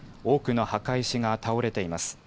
多くの墓石が倒れています。